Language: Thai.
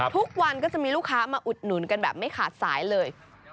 ทุกวันก็จะมีลูกค้ามาอุดหนุนกันแบบไม่ขาดสายเลย